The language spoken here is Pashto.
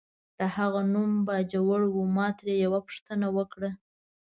د هغه نوم باجوړی و، ما ترې یوه ورځ پوښتنه وکړه.